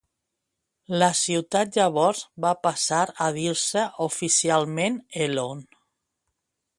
La ciutat llavors va passar a dir-se oficialment Elon.